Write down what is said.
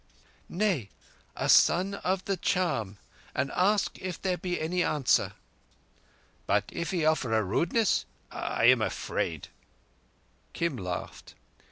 "Nay, a Son of the Charm: and ask if there be any answer." "But if he offer a rudeness? I—I am afraid." Kim laughed.